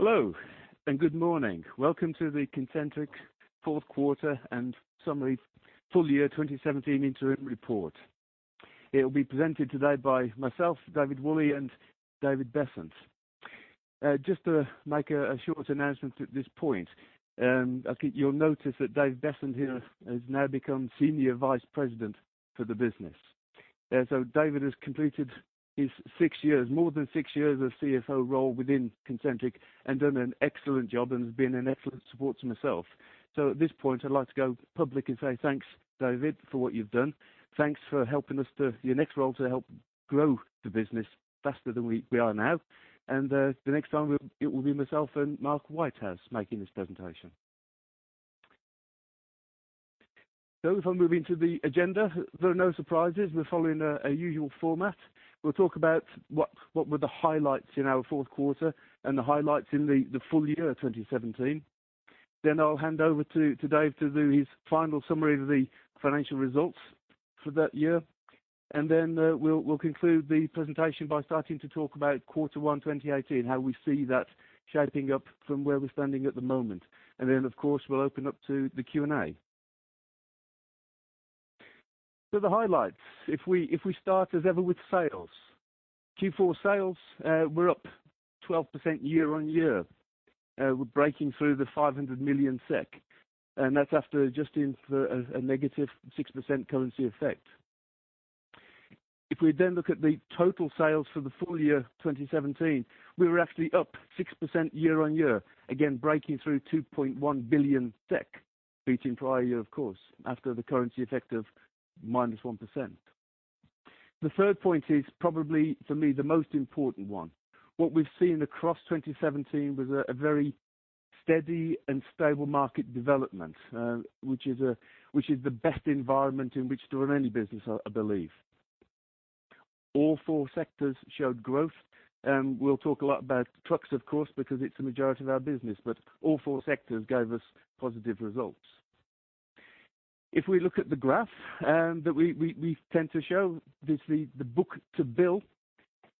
Hello, and good morning. Welcome to the Concentric fourth quarter and summary full year 2017 interim report. It will be presented today by myself, David Woolley, and David Bessant. Just to make a short announcement at this point. I think you'll notice that Dave Bessant here has now become Senior Vice President for the business. David has completed his 6 years, more than 6 years, as CFO role within Concentric and done an excellent job and has been an excellent support to myself. At this point, I'd like to go public and say thanks, David, for what you've done. Thanks for helping us to your next role to help grow the business faster than we are now. The next time it will be myself and Mark Whitehouse making this presentation. If I move into the agenda, there are no surprises. We're following a usual format. We'll talk about what were the highlights in our fourth quarter and the highlights in the full year 2017. I'll hand over to Dave to do his final summary of the financial results for that year. We'll conclude the presentation by starting to talk about Q1 2018, how we see that shaping up from where we're standing at the moment. Of course, we'll open up to the Q&A. The highlights, if we start as ever with sales. Q4 sales were up 12% year-over-year. We're breaking through the 500 million SEK, and that's after adjusting for a negative 6% currency effect. We then look at the total sales for the full year 2017, we were actually up 6% year-over-year, again, breaking through 2.1 billion SEK, beating prior year, of course, after the currency effect of minus 1%. The third point is probably, for me, the most important one. What we've seen across 2017 was a very steady and stable market development, which is the best environment in which to run any business, I believe. All four sectors showed growth, we'll talk a lot about trucks, of course, because it's the majority of our business. All four sectors gave us positive results. We look at the graph that we tend to show, this is the book to bill.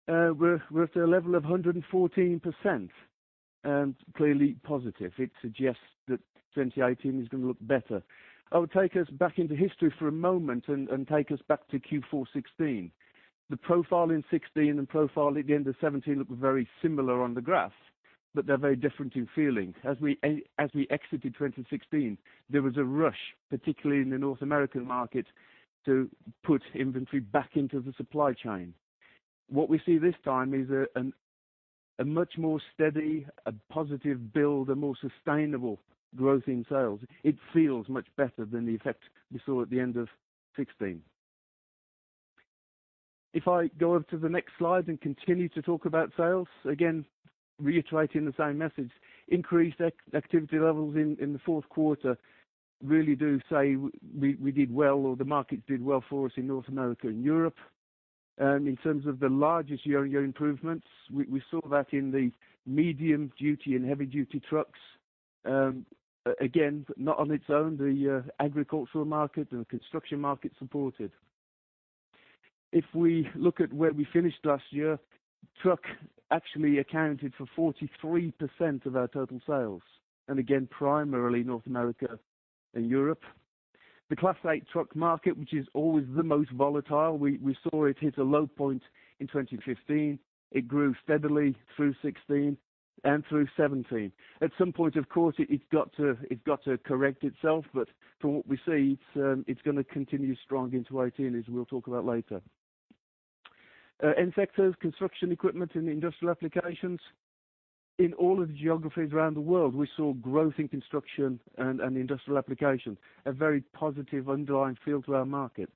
We're at a level of 114%, clearly positive. It suggests that 2018 is going to look better. I would take us back into history for a moment and take us back to Q4 2016. The profile in 2016 and profile at the end of 2017 look very similar on the graph, but they're very different in feeling. As we exited 2016, there was a rush, particularly in the North American market, to put inventory back into the supply chain. What we see this time is a much more steady, a positive build, a more sustainable growth in sales. It feels much better than the effect we saw at the end of 2016. I go on to the next slide and continue to talk about sales, again, reiterating the same message. Increased activity levels in the Q4 really do say we did well, or the markets did well for us in North America and Europe. In terms of the largest year-over-year improvements, we saw that in the medium duty and heavy duty trucks. Again, not on its own. The agricultural market and the construction market supported. If we look at where we finished last year, truck actually accounted for 43% of our total sales, primarily North America and Europe. The Class 8 truck market, which is always the most volatile, we saw it hit a low point in 2015. It grew steadily through 2016 and through 2017. At some point, of course, it's got to correct itself. From what we see, it's going to continue strong into 2018, as we'll talk about later. End sectors, construction equipment and industrial applications. In all of the geographies around the world, we saw growth in construction and industrial applications, a very positive underlying feel to our markets.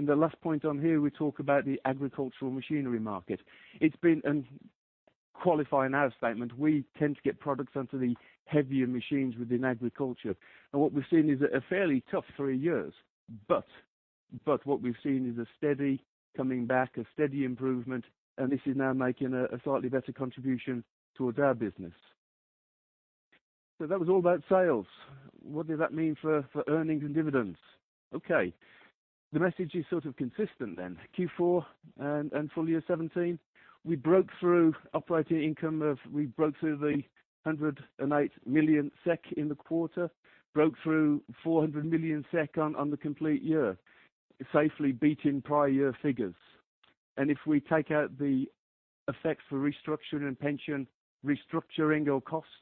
The last point on here, we talk about the agricultural machinery market. It's been qualifying our statement. We tend to get products onto the heavier machines within agriculture. What we've seen is a fairly tough three years. What we've seen is a steady coming back, a steady improvement, and this is now making a slightly better contribution towards our business. That was all about sales. What did that mean for earnings and dividends? Okay. The message is sort of consistent. Q4 and full year 2017, we broke through operating income of, we broke through the 108 million SEK in the quarter, broke through 400 million SEK on the complete year, safely beating prior year figures. If we take out the effect for restructuring and pension restructuring or costs,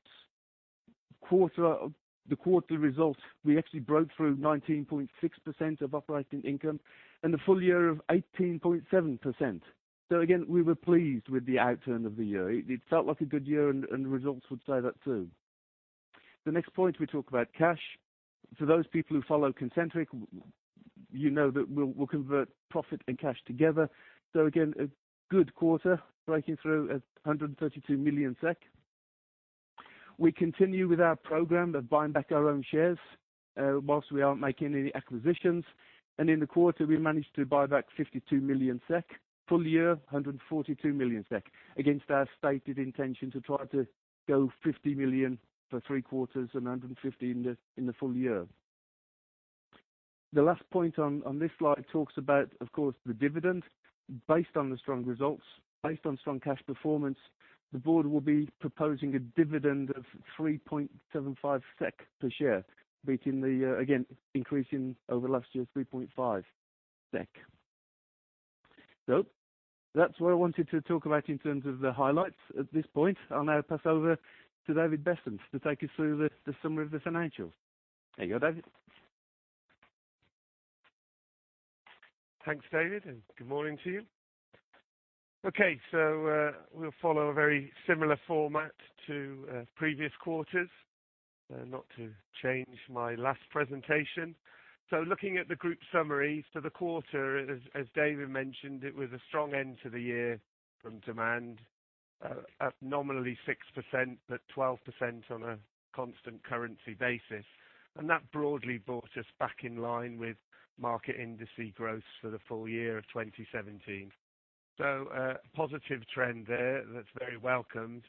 the quarterly results, we actually broke through 19.6% of operating income and the full year of 18.7%. Again, we were pleased with the outturn of the year. It felt like a good year, and the results would say that, too. The next point, we talk about cash. For those people who follow Concentric, you know that we'll convert profit and cash together. Again, a good quarter breaking through at 132 million SEK. We continue with our program of buying back our own shares whilst we aren't making any acquisitions. In the quarter, we managed to buy back 52 million SEK. Full year, 142 million SEK against our stated intention to try to go 50 million for three quarters and 150 million in the full year. The last point on this slide talks about, of course, the dividend. Based on the strong results, based on strong cash performance, the board will be proposing a dividend of 3.75 SEK per share, beating the, again, increase in over last year's 3.5 SEK. That's what I wanted to talk about in terms of the highlights at this point. I'll now pass over to David Bessant to take us through the summary of the financials. There you go, David. Thanks, David, and good morning to you. Okay. We'll follow a very similar format to previous quarters, not to change my last presentation. Looking at the group summary for the quarter, as David mentioned, it was a strong end to the year from demand up nominally 6%, but 12% on a constant currency basis. That broadly brought us back in line with market industry growth for the full year of 2017. A positive trend there that's very welcomed.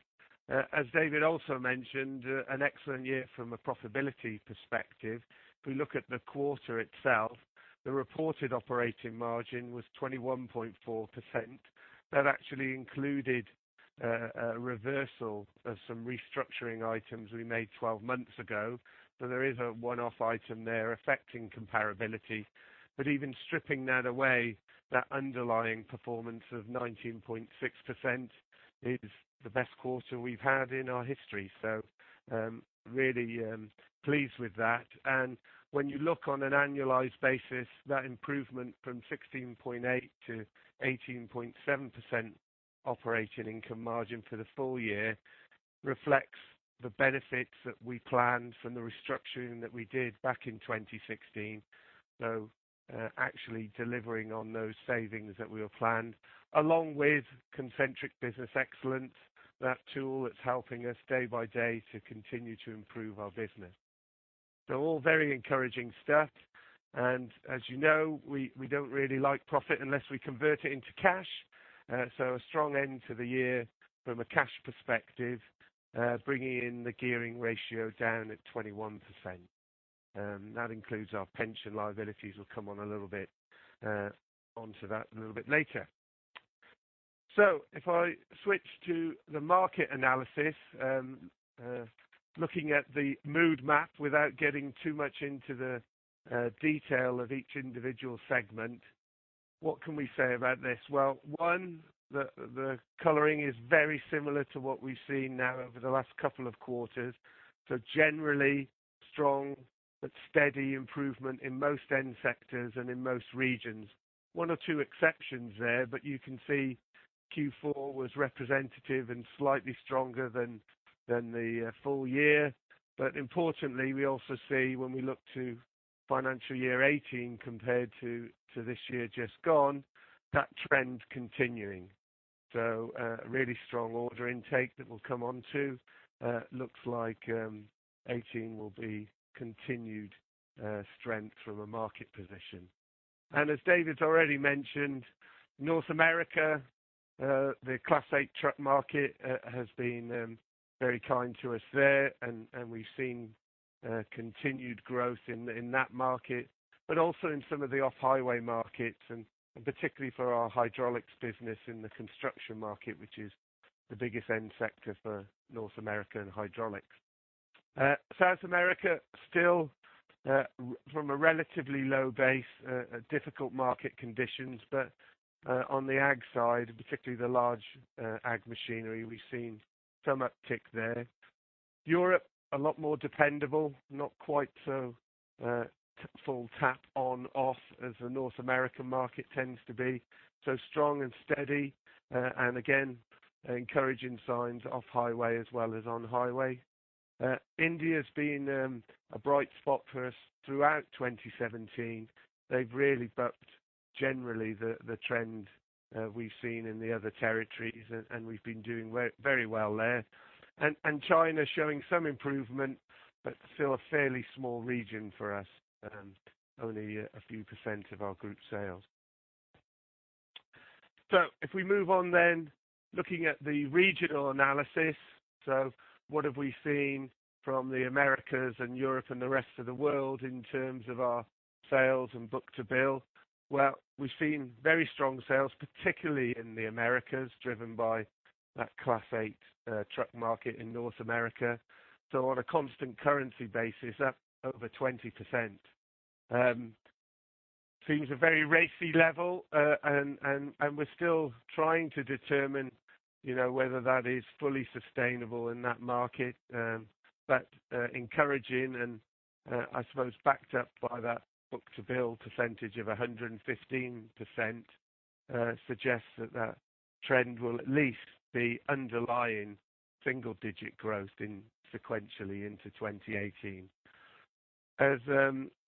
As David also mentioned, an excellent year from a profitability perspective. If we look at the quarter itself, the reported operating margin was 21.4%. That actually included a reversal of some restructuring items we made 12 months ago. There is a one-off item there affecting comparability. Even stripping that away, that underlying performance of 19.6% is the best quarter we've had in our history. Really pleased with that. When you look on an annualized basis, that improvement from 16.8% to 18.7% operating income margin for the full year reflects the benefits that we planned from the restructuring that we did back in 2016. Actually delivering on those savings that we had planned, along with Concentric Business Excellence, that tool that's helping us day by day to continue to improve our business. All very encouraging stuff. As you know, we don't really like profit unless we convert it into cash. A strong end to the year from a cash perspective, bringing in the gearing ratio down at 21%. That includes our pension liabilities. We'll come on a little bit onto that a little bit later. If I switch to the market analysis, looking at the mood map without getting too much into the detail of each individual segment, what can we say about this? One, the coloring is very similar to what we've seen now over the last couple of quarters. Generally strong, but steady improvement in most end sectors and in most regions. One or two exceptions there, but you can see Q4 was representative and slightly stronger than the full year. Importantly, we also see when we look to financial year 2018 compared to this year just gone, that trend continuing. A really strong order intake that we'll come on to. Looks like 2018 will be continued strength from a market position. As David's already mentioned, North America, the Class 8 truck market has been very kind to us there and we've seen continued growth in that market, but also in some of the off-highway markets, and particularly for our hydraulics business in the construction market, which is the biggest end sector for North America and hydraulics. South America, still from a relatively low base, difficult market conditions, but on the ag side, particularly the large ag machinery, we've seen some uptick there. Europe, a lot more dependable, not quite so full tap on, off as the North American market tends to be. Strong and steady, and again, encouraging signs off-highway as well as on-highway. India has been a bright spot for us throughout 2017. They've really bucked generally the trend we've seen in the other territories, and we've been doing very well there. China showing some improvement, but still a fairly small region for us. Only a few % of our group sales. If we move on then, looking at the regional analysis. What have we seen from the Americas and Europe and the rest of the world in terms of our sales and book to bill? Well, we've seen very strong sales, particularly in the Americas, driven by that Class 8 truck market in North America. On a constant currency basis, up over 20%. Seems a very racy level, and we're still trying to determine whether that is fully sustainable in that market. Encouraging and I suppose backed up by that book to bill percentage of 115%, suggests that trend will at least be underlying single-digit growth sequentially into 2018. As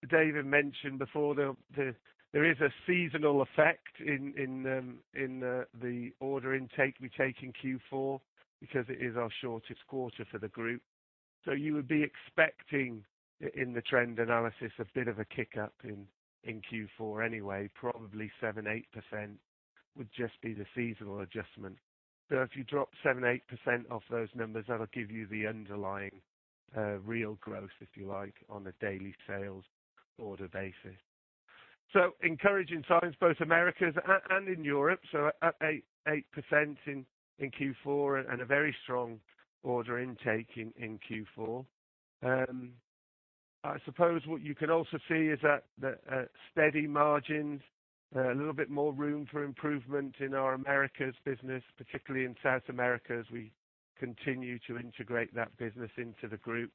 David mentioned before, there is a seasonal effect in the order intake we take in Q4 because it is our shortest quarter for the group. You would be expecting in the trend analysis a bit of a kick up in Q4 anyway, probably 7%, 8%. Would just be the seasonal adjustment. If you drop 7%, 8% off those numbers, that'll give you the underlying real growth, if you like, on a daily sales order basis. Encouraging signs, both Americas and in Europe. Up 8% in Q4 and a very strong order intake in Q4. I suppose what you can also see is that steady margins, a little bit more room for improvement in our Americas business, particularly in South America as we continue to integrate that business into the group.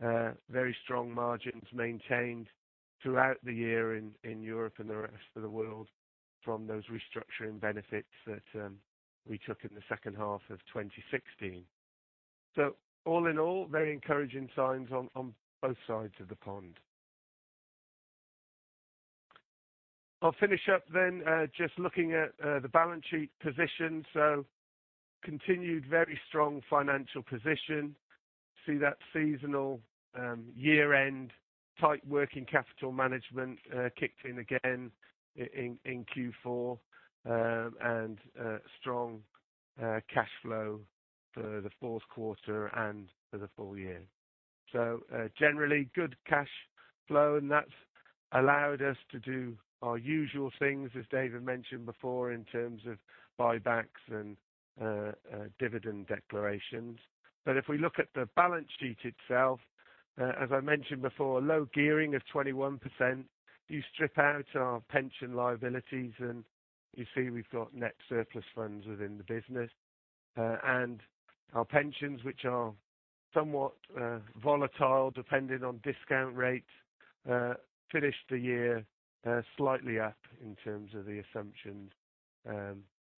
Very strong margins maintained throughout the year in Europe and the rest of the world from those restructuring benefits that we took in the second half of 2016. All in all, very encouraging signs on both sides of the pond. I'll finish up then just looking at the balance sheet position. Continued very strong financial position. See that seasonal year-end tight working capital management kicked in again in Q4, and strong cash flow for the fourth quarter and for the full year. Generally good cash flow, and that's allowed us to do our usual things, as David mentioned before, in terms of buybacks and dividend declarations. If we look at the balance sheet itself, as I mentioned before, low gearing of 21%. You strip out our pension liabilities, and you see we've got net surplus funds within the business. Our pensions, which are somewhat volatile, depending on discount rate, finished the year slightly up in terms of the assumptions,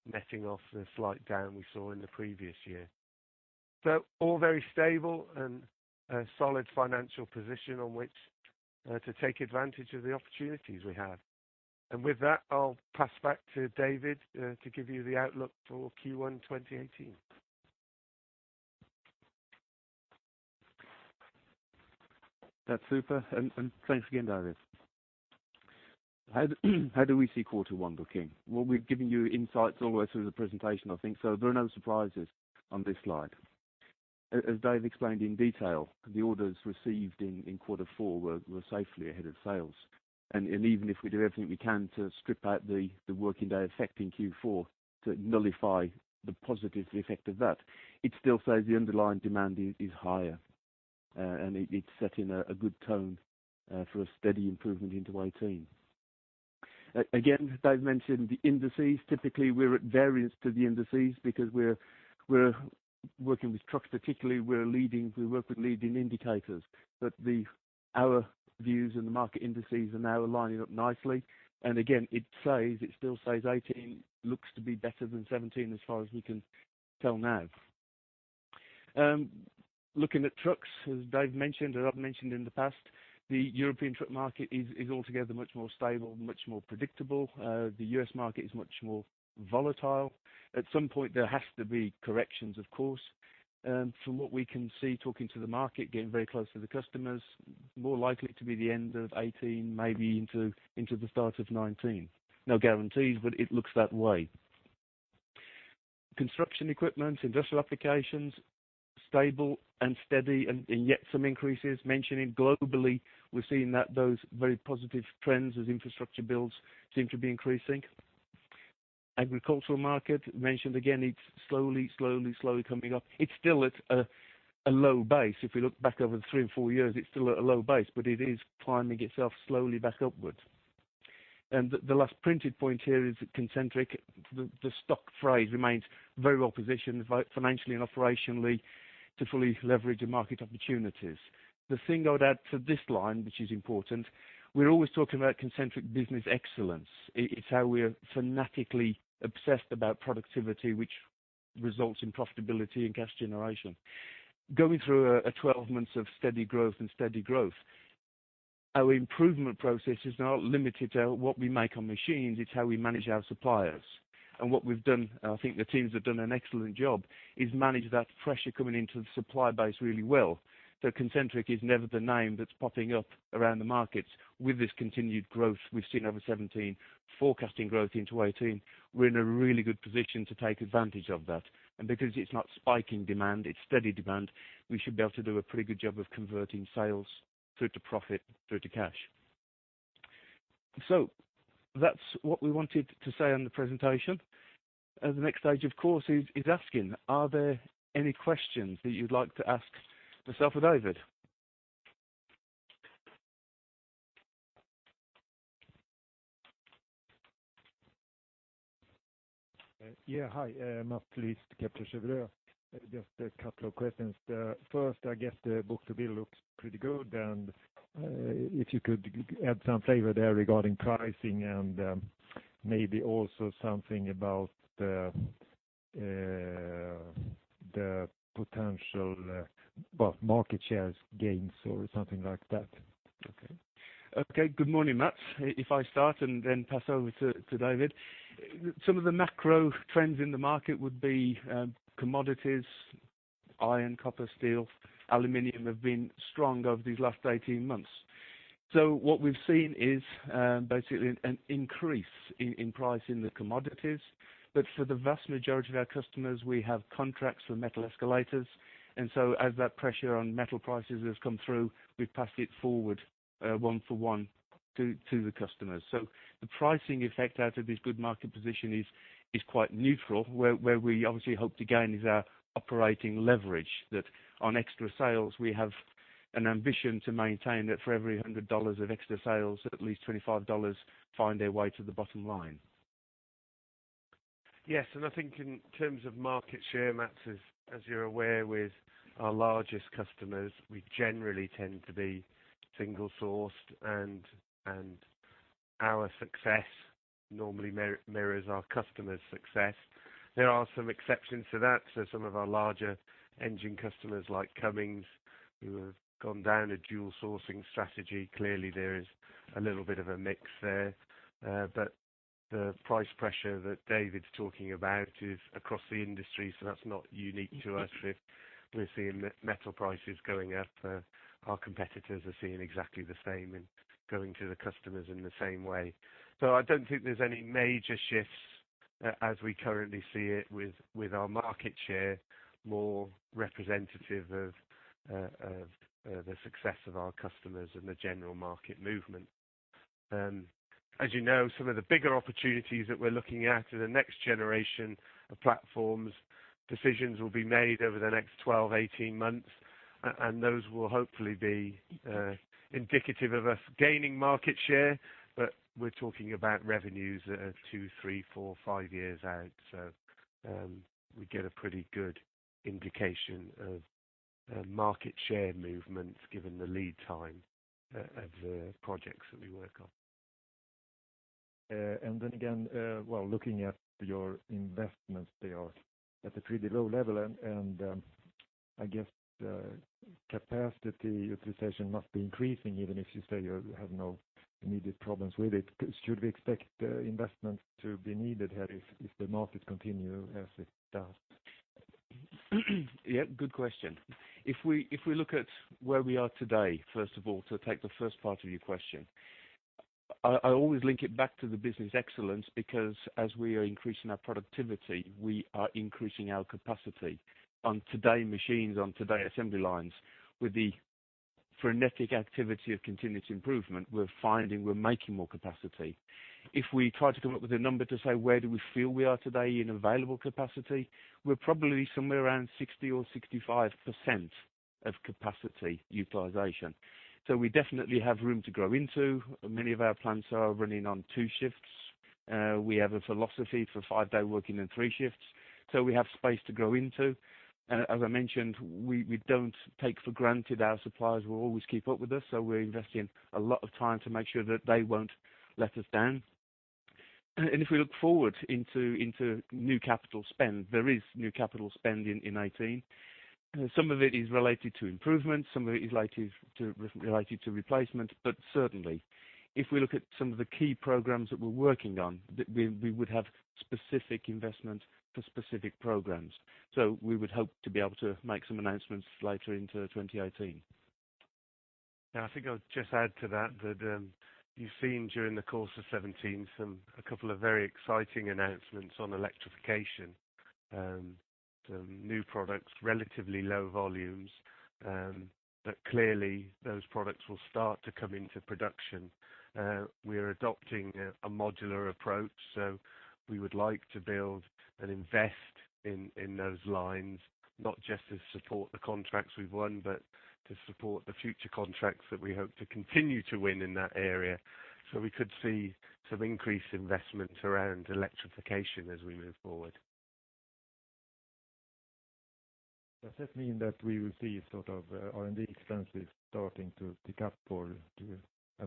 netting off the slight down we saw in the previous year. All very stable and a solid financial position on which to take advantage of the opportunities we have. With that, I'll pass back to David to give you the outlook for Q1 2018. That's super, and thanks again, David. How do we see quarter one booking? We've given you insights all the way through the presentation, I think, so there are no surprises on this slide. As David explained in detail, the orders received in quarter four were safely ahead of sales. Even if we do everything we can to strip out the working day effect in Q4 to nullify the positive effect of that, it still says the underlying demand is higher, and it's set in a good tone for a steady improvement into 2018. Again, David mentioned the indices. Typically, we're at variance to the indices because we're working with trucks particularly, we work with leading indicators. Our views and the market indices are now lining up nicely. Again, it still says 2018 looks to be better than 2017 as far as we can tell now. Looking at trucks, as David mentioned and I've mentioned in the past, the European truck market is altogether much more stable and much more predictable. The U.S. market is much more volatile. At some point, there has to be corrections, of course. From what we can see, talking to the market, getting very close to the customers, more likely to be the end of 2018, maybe into the start of 2019. No guarantees, but it looks that way. Construction equipment, industrial applications, stable and steady, and yet some increases. Mentioning globally, we are seeing that those very positive trends as infrastructure builds seem to be increasing. Agricultural market, mentioned again, it's slowly coming up. It's still at a low base. If we look back over the three or four years, it's still at a low base, it is climbing itself slowly back upwards. The last printed point here is Concentric. The stock phrase remains very well positioned, both financially and operationally to fully leverage the market opportunities. The thing I would add to this line, which is important, we are always talking about Concentric Business Excellence. It's how we are fanatically obsessed about productivity, which results in profitability and cash generation. Going through a 12 months of steady growth and steady growth, our improvement process is not limited to what we make on machines, it's how we manage our suppliers. What we've done, I think the teams have done an excellent job, is manage that pressure coming into the supply base really well. Concentric is never the name that's popping up around the markets with this continued growth we've seen over 2017, forecasting growth into 2018. We're in a really good position to take advantage of that. Because it's not spiking demand, it's steady demand, we should be able to do a pretty good job of converting sales through to profit, through to cash. That's what we wanted to say on the presentation. The next stage, of course, is asking, are there any questions that you'd like to ask myself or David? Yeah. Hi, Mats Liss, Kepler Cheuvreux. Just a couple of questions there. First, I guess the book-to-bill looks pretty good, and if you could add some flavor there regarding pricing and maybe also something about the potential market shares gains or something like that. Okay. Good morning, Mats. If I start and then pass over to David. Some of the macro trends in the market would be commodities Iron, copper, steel, aluminum have been strong over these last 18 months. What we've seen is basically an increase in price in the commodities. For the vast majority of our customers, we have contracts for metal escalators. As that pressure on metal prices has come through, we've passed it forward one for one to the customers. The pricing effect out of this good market position is quite neutral, where we obviously hope to gain is our operating leverage that on extra sales, we have an ambition to maintain that for every SEK 100 of extra sales, at least SEK 25 find their way to the bottom line. Yes. I think in terms of market share, Mats, as you're aware, with our largest customers, we generally tend to be single-sourced and our success normally mirrors our customers' success. There are some exceptions to that. Some of our larger engine customers like Cummins, who have gone down a dual sourcing strategy, clearly there is a little bit of a mix there. The price pressure that David's talking about is across the industry, so that's not unique to us. We're seeing metal prices going up. Our competitors are seeing exactly the same and going to the customers in the same way. I don't think there's any major shifts as we currently see it with our market share, more representative of the success of our customers and the general market movement. As you know, some of the bigger opportunities that we're looking at are the next generation of platforms. Decisions will be made over the next 12, 18 months, and those will hopefully be indicative of us gaining market share. We're talking about revenues that are two, three, four, five years out. We get a pretty good indication of market share movements given the lead time of the projects that we work on. Looking at your investments, they are at a pretty low level, I guess the capacity utilization must be increasing, even if you say you have no immediate problems with it. Should we expect investments to be needed here if the market continue as it does? Good question. If we look at where we are today, first of all, to take the first part of your question, I always link it back to the Concentric Business Excellence, as we are increasing our productivity, we are increasing our capacity on today machines, on today assembly lines. With the frenetic activity of continuous improvement, we're finding we're making more capacity. If we try to come up with a number to say where do we feel we are today in available capacity, we're probably somewhere around 60% or 65% of capacity utilization. We definitely have room to grow into. Many of our plants are running on 2 shifts. We have a philosophy for 5-day working and 3 shifts, we have space to grow into. As I mentioned, we don't take for granted our suppliers will always keep up with us, we're investing a lot of time to make sure that they won't let us down. If we look forward into new capital spend, there is new capital spend in 2018. Some of it is related to improvements, some of it is related to replacement. Certainly, if we look at some of the key programs that we're working on, we would have specific investment for specific programs. We would hope to be able to make some announcements later into 2018. I think I'll just add to that you've seen during the course of 2017, a couple of very exciting announcements on electrification. Some new products, relatively low volumes, clearly those products will start to come into production. We are adopting a modular approach, we would like to build and invest in those lines, not just to support the contracts we've won, to support the future contracts that we hope to continue to win in that area. We could see some increased investment around electrification as we move forward. Does this mean that we will see R&D expenses starting to tick up or do a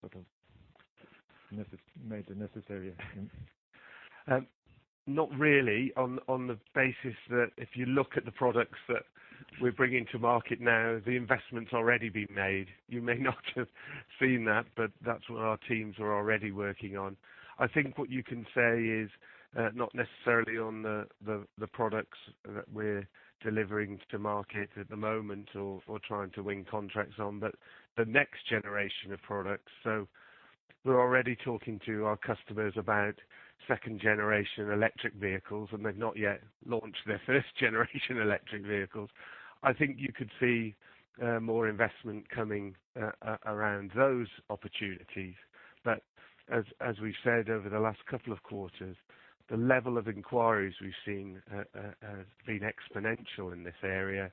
sort of major necessary? Not really, on the basis that if you look at the products that we're bringing to market now, the investment's already been made. You may not have seen that, but that's what our teams are already working on. I think what you can say is not necessarily on the products that we're delivering to market at the moment or trying to win contracts on, but the next generation of products. We're already talking to our customers about second generation electric vehicles, they've not yet launched their first generation electric vehicles. I think you could see more investment coming around those opportunities. As we've said over the last couple of quarters, the level of inquiries we've seen has been exponential in this area,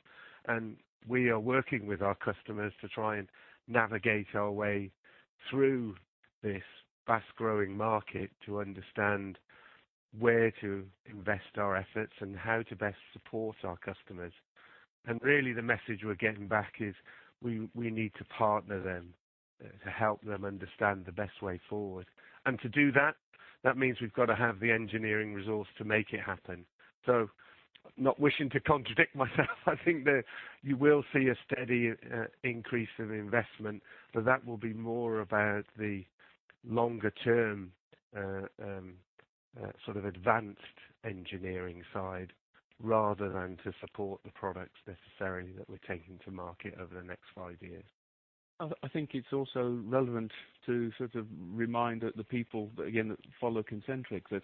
we are working with our customers to try and navigate our way through this fast-growing market to understand where to invest our efforts and how to best support our customers. Really the message we're getting back is we need to partner them to help them understand the best way forward. To do that means we've got to have the engineering resource to make it happen. Not wishing to contradict myself, I think that you will see a steady increase in investment, but that will be more about the longer term. Sort of advanced engineering side rather than to support the products necessarily that we're taking to market over the next five years. I think it's also relevant to remind the people, again, that follow Concentric, that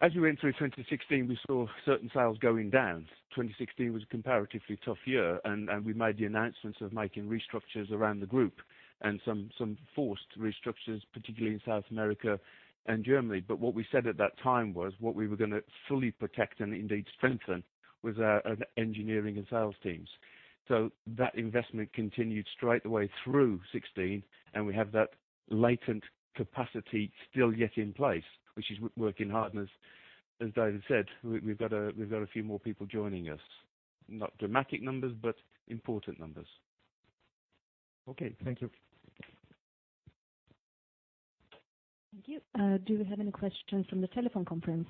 as we went through 2016, we saw certain sales going down. 2016 was a comparatively tough year. We made the announcements of making restructures around the group and some forced restructures, particularly in South America and Germany. What we said at that time was, what we were going to fully protect and indeed strengthen was our engineering and sales teams. That investment continued straight away through 2016, and we have that latent capacity still yet in place, which is working hard. As David said, we've got a few more people joining us. Not dramatic numbers, but important numbers. Okay. Thank you. Thank you. Do we have any questions from the telephone conference?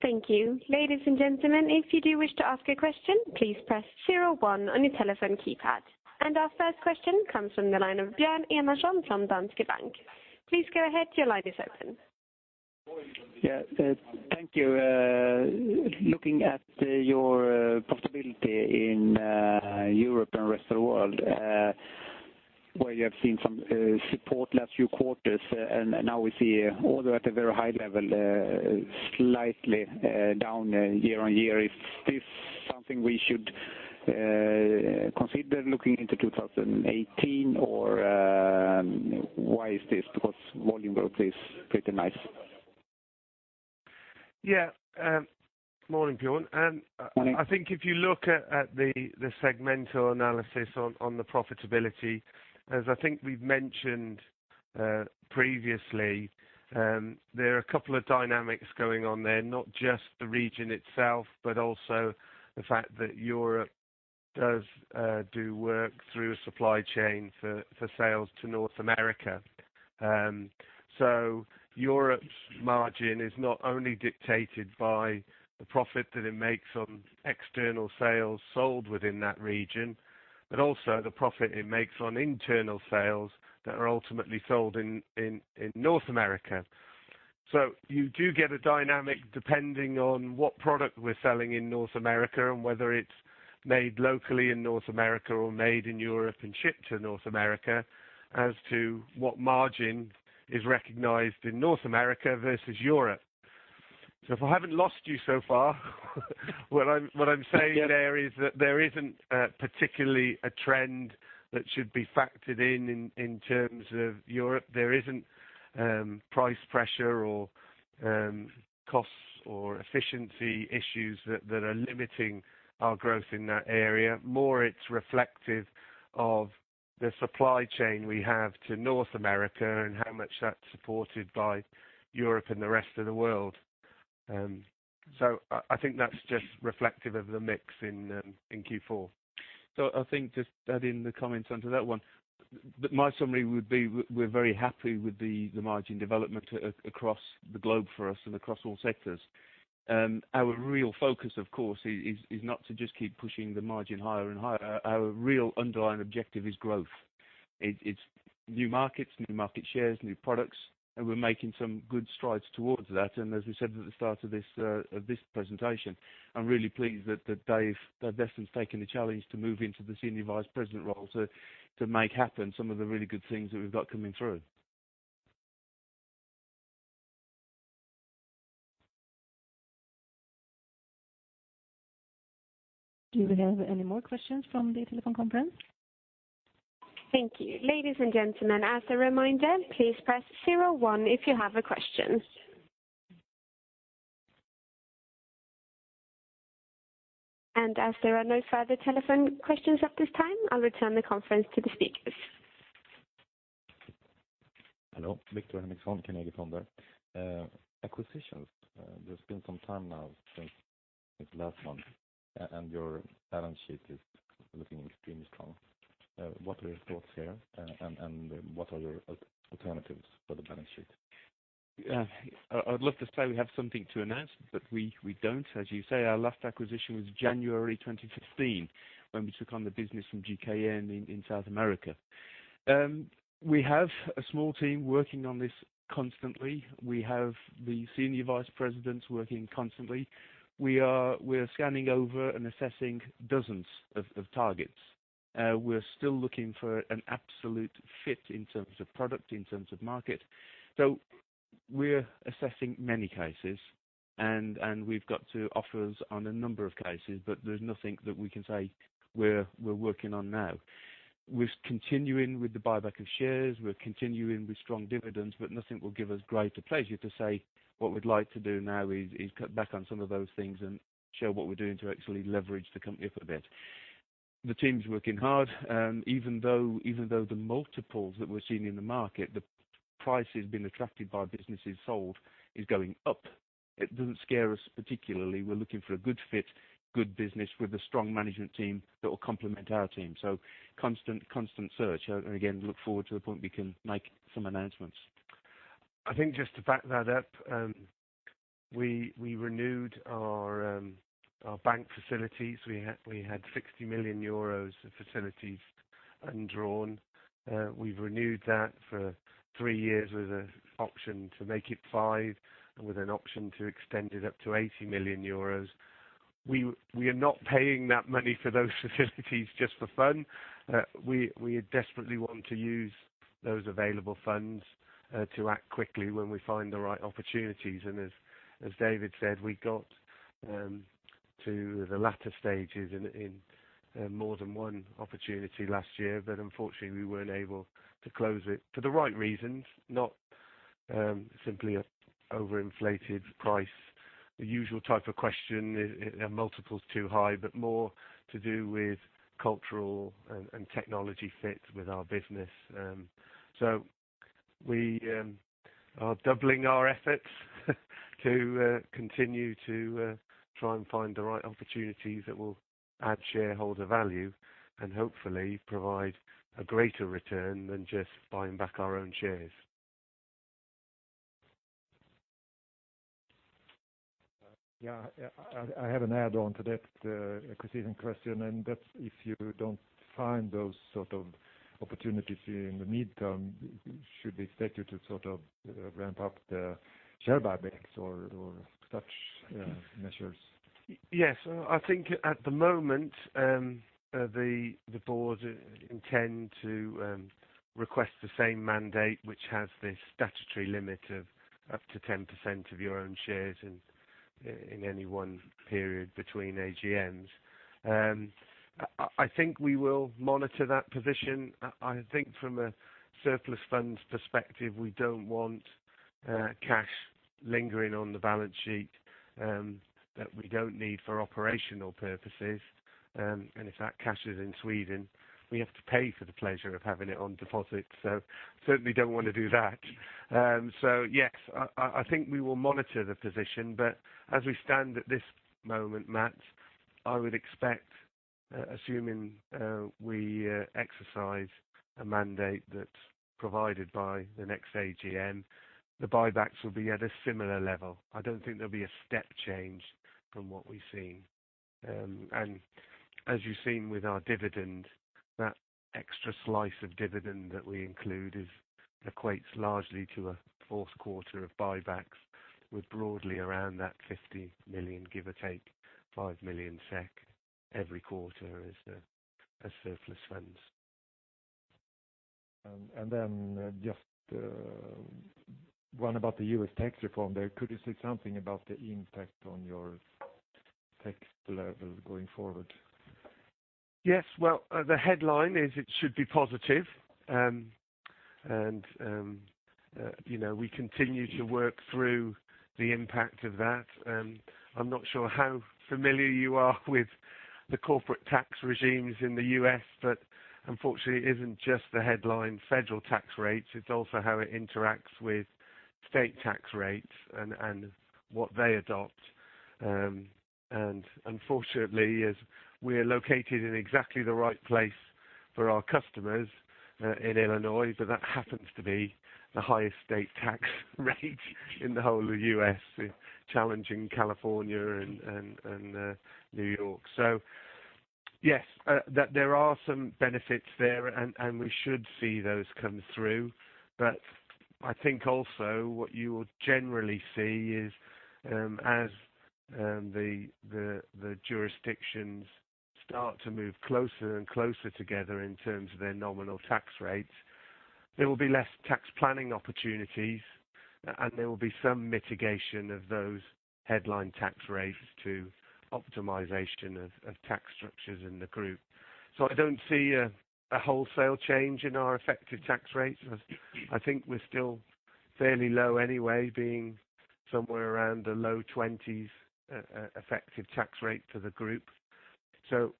Thank you. Ladies and gentlemen, if you do wish to ask a question, please press 01 on your telephone keypad. Our first question comes from the line of Björn Enarson from Danske Bank. Please go ahead. Your line is open. Yeah. Thank you. Looking at your profitability in Europe and the rest of the world, where you have seen some support last few quarters, now we see order at a very high level, slightly down year-on-year. Is this something we should consider looking into 2018? Or why is this? Because volume growth is pretty nice. Yeah. Morning, Björn. Morning. I think if you look at the segmental analysis on the profitability, as I think we've mentioned previously, there are a couple of dynamics going on there. Not just the region itself, but also the fact that Europe does do work through a supply chain for sales to North America. Europe's margin is not only dictated by the profit that it makes on external sales sold within that region, but also the profit it makes on internal sales that are ultimately sold in North America. You do get a dynamic depending on what product we're selling in North America and whether it's made locally in North America or made in Europe and shipped to North America as to what margin is recognized in North America versus Europe. If I haven't lost you so far what I'm saying there is that there isn't particularly a trend that should be factored in terms of Europe. There isn't price pressure or costs or efficiency issues that are limiting our growth in that area. More it's reflective of the supply chain we have to North America and how much that's supported by Europe and the rest of the world. I think that's just reflective of the mix in Q4. I think just adding the comments onto that one, that my summary would be, we're very happy with the margin development across the globe for us and across all sectors. Our real focus, of course, is not to just keep pushing the margin higher and higher. Our real underlying objective is growth. It's new markets, new market shares, new products, and we're making some good strides towards that. As we said at the start of this presentation, I'm really pleased that Dave Bessant's taken the challenge to move into the Senior Vice President role to make happen some of the really good things that we've got coming through. Do we have any more questions from the telephone conference? Thank you. Ladies and gentlemen, as a reminder, please press 01 if you have a question. As there are no further telephone questions at this time, I'll return the conference to the speakers. Hello. Victor from Carnegie there. Acquisitions. There's been some time now since last month, your balance sheet is looking extremely strong. What are your thoughts here? What are your alternatives for the balance sheet? I'd love to say we have something to announce, but we don't. As you say, our last acquisition was January 2015, when we took on the business from GKN in South America. We have a small team working on this constantly. We have the senior vice presidents working constantly. We are scanning over and assessing dozens of targets. We're still looking for an absolute fit in terms of product, in terms of market. We're assessing many cases, and we've got two offers on a number of cases, but there's nothing that we can say we're working on now. We're continuing with the buyback of shares. We're continuing with strong dividends, nothing will give us greater pleasure to say what we'd like to do now is cut back on some of those things and show what we're doing to actually leverage the company up a bit. The team's working hard. Even though the multiples that we're seeing in the market, the prices being attracted by businesses sold is going up, it doesn't scare us particularly. We're looking for a good fit, good business with a strong management team that will complement our team. Constant search. Again, look forward to the point we can make some announcements. I think just to back that up, we renewed our bank facilities. We had 60 million euros of facilities undrawn. We've renewed that for three years with an option to make it five, and with an option to extend it up to 80 million euros. We are not paying that money for those facilities just for fun. We desperately want to use those available funds to act quickly when we find the right opportunities. As David said, we got to the latter stages in more than one opportunity last year, unfortunately, we weren't able to close it for the right reasons, not simply an overinflated price. The usual type of question, are multiples too high? More to do with cultural and technology fit with our business. We are doubling our efforts to continue to try and find the right opportunities that will add shareholder value, and hopefully provide a greater return than just buying back our own shares. Yeah. I have an add-on to that acquisition question, that's if you don't find those sort of opportunities in the midterm, should we expect you to ramp up the share buybacks or such measures? Yes. I think at the moment, the board intend to request the same mandate, which has the statutory limit of up to 10% of your own shares in any one period between AGMs. I think we will monitor that position. I think from a surplus funds perspective, we don't want cash lingering on the balance sheet that we don't need for operational purposes. If that cash is in Sweden, we have to pay for the pleasure of having it on deposit. Certainly don't want to do that. Yes, I think we will monitor the position, but as we stand at this moment, Mats, I would expect, assuming we exercise a mandate that's provided by the next AGM, the buybacks will be at a similar level. I don't think there'll be a step change from what we've seen. As you've seen with our dividend, that extra slice of dividend that we include equates largely to a fourth quarter of buybacks, with broadly around that 50 million, give or take 5 million SEK every quarter as surplus funds. Just one about the U.S. tax reform there. Could you say something about the impact on your tax level going forward? Yes. Well, the headline is it should be positive. We continue to work through the impact of that. I'm not sure how familiar you are with the corporate tax regimes in the U.S., but unfortunately, it isn't just the headline federal tax rates, it's also how it interacts with state tax rates and what they adopt. Unfortunately, as we are located in exactly the right place for our customers, in Illinois, that happens to be the highest state tax rate in the whole of the U.S., challenging California and New York. Yes, there are some benefits there, and we should see those come through. I think also what you will generally see is, as the jurisdictions start to move closer and closer together in terms of their nominal tax rates, there will be less tax planning opportunities, and there will be some mitigation of those headline tax rates to optimization of tax structures in the group. I don't see a wholesale change in our effective tax rates, as I think we're still fairly low anyway, being somewhere around the low 20s effective tax rate for the group.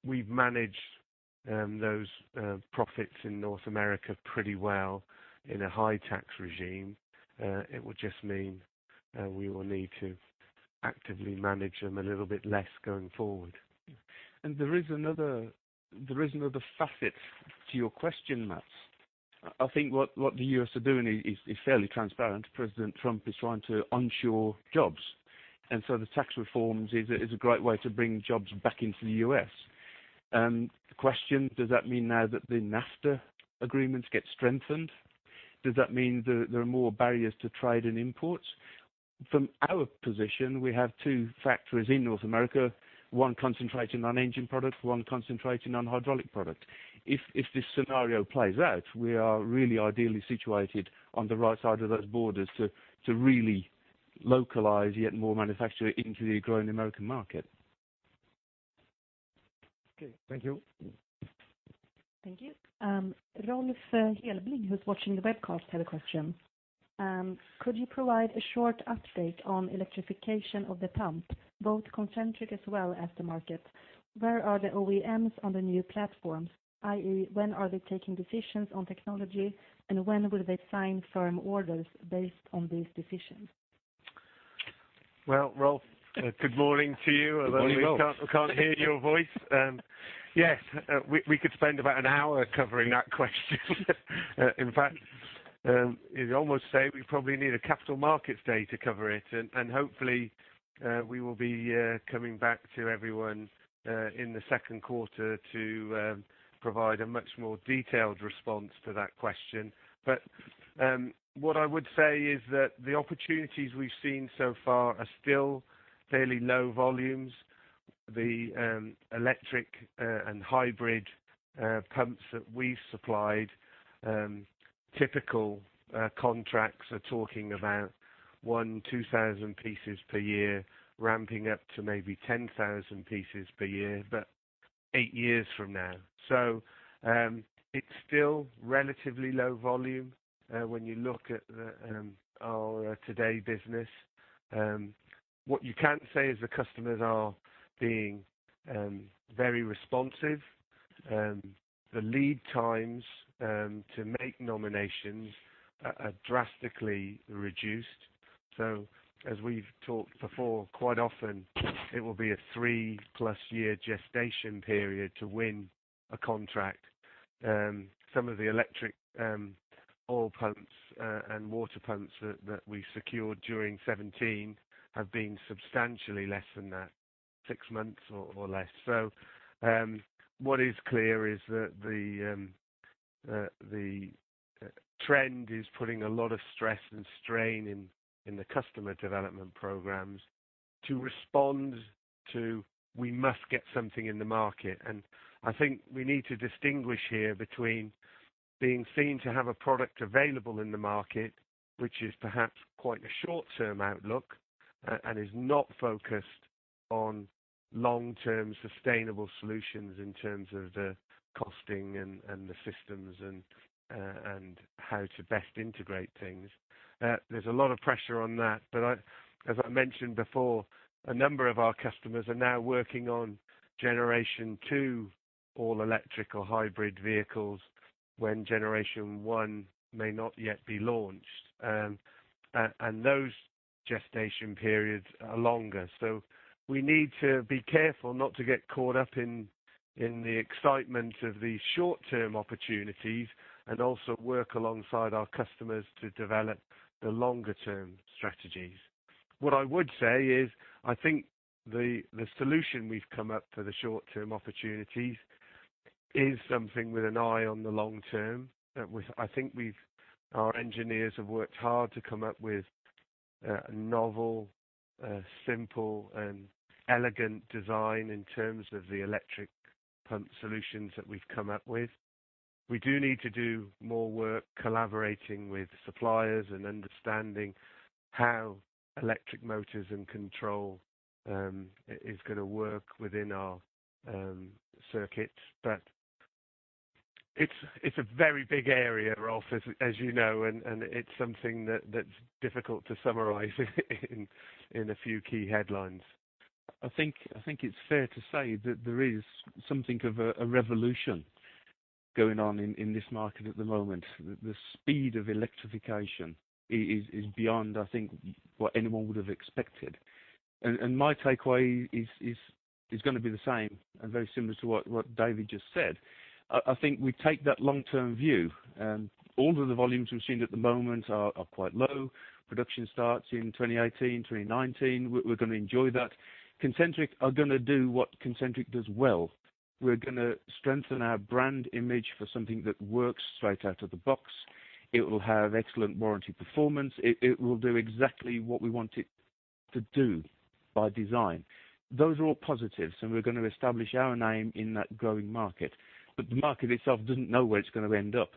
We've managed those profits in North America pretty well in a high tax regime. It would just mean we will need to actively manage them a little bit less going forward. There is another facet to your question, Mats. I think what the U.S. are doing is fairly transparent. President Trump is trying to onshore jobs, the tax reforms is a great way to bring jobs back into the U.S. The question, does that mean now that the NAFTA agreements get strengthened? Does that mean that there are more barriers to trade and imports? From our position, we have two factories in North America, one concentrating on engine product, one concentrating on hydraulic product. If this scenario plays out, we are really ideally situated on the right side of those borders to really localize yet more manufacture into the growing American market. Okay. Thank you. Thank you. Rolf Helbling, who's watching the webcast, had a question. Could you provide a short update on electrification of the pump, both Concentric as well as the market? Where are the OEMs on the new platforms, i.e., when are they taking decisions on technology, and when will they sign firm orders based on these decisions? Well, Rolf, good morning to you. Good morning, Rolf. We can't hear your voice. Yes. We could spend about an hour covering that question. In fact you'd almost say we probably need a capital markets day to cover it. Hopefully, we will be coming back to everyone in the second quarter to provide a much more detailed response to that question. What I would say is that the opportunities we've seen so far are still fairly low volumes. The electric and hybrid pumps that we've supplied, typical contracts are talking about 1,000, 2,000 pieces per year, ramping up to maybe 10,000 pieces per year, but eight years from now. It's still relatively low volume when you look at our Today business. What you can say is the customers are being very responsive. The lead times to make nominations are drastically reduced. As we've talked before, quite often it will be a three-plus year gestation period to win a contract. Some of the electric oil pumps and water pumps that we secured during 2017 have been substantially less than that, six months or less. What is clear is that the trend is putting a lot of stress and strain in the customer development programs to respond to, we must get something in the market. I think we need to distinguish here between being seen to have a product available in the market, which is perhaps quite a short-term outlook, and is not focused on long-term sustainable solutions in terms of the costing and the systems and how to best integrate things. There's a lot of pressure on that. As I mentioned before, a number of our customers are now working on generation 2 all-electric or hybrid vehicles when generation 1 may not yet be launched. Those gestation periods are longer. We need to be careful not to get caught up in the excitement of the short-term opportunities and also work alongside our customers to develop the longer term strategies. What I would say is, I think the solution we've come up for the short-term opportunities is something with an eye on the long term. I think our engineers have worked hard to come up with a novel, simple, and elegant design in terms of the electric pump solutions that we've come up with. We do need to do more work collaborating with suppliers and understanding how electric motors and control is going to work within our circuits. It's a very big area, Rolf, as you know, and it's something that's difficult to summarize in a few key headlines. I think it's fair to say that there is something of a revolution going on in this market at the moment. The speed of electrification is beyond, I think, what anyone would have expected. My takeaway is going to be the same and very similar to what David just said. I think we take that long-term view. Orders and the volumes we've seen at the moment are quite low. Production starts in 2018, 2019. We're going to enjoy that. Concentric are going to do what Concentric does well. We're going to strengthen our brand image for something that works straight out of the box. It will have excellent warranty performance. It will do exactly what we want it to do by design. Those are all positives, and we're going to establish our name in that growing market. The market itself doesn't know where it's going to end up.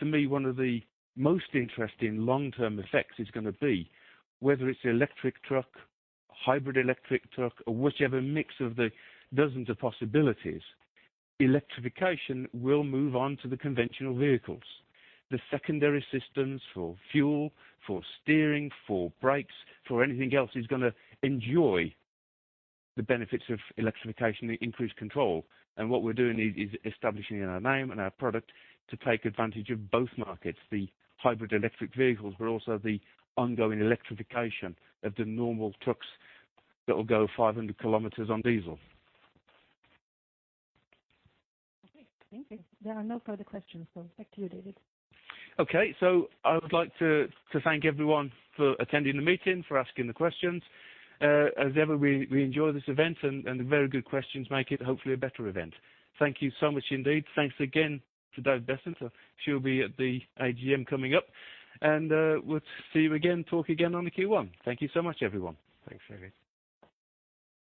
To me, one of the most interesting long-term effects is going to be whether it's the electric truck, hybrid electric truck, or whichever mix of the dozens of possibilities. Electrification will move on to the conventional vehicles. The secondary systems for fuel, for steering, for brakes, for anything else is going to enjoy the benefits of electrification and increased control. What we're doing is establishing our name and our product to take advantage of both markets, the hybrid electric vehicles, but also the ongoing electrification of the normal trucks that will go 500 kilometers on diesel. Okay, thank you. There are no further questions, back to you, David. Okay. I would like to thank everyone for attending the meeting, for asking the questions. As ever, we enjoy this event and the very good questions make it hopefully a better event. Thank you so much indeed. Thanks again to Dave Bessant. He'll be at the AGM coming up. We'll see you again, talk again on the Q1. Thank you so much, everyone. Thanks, David.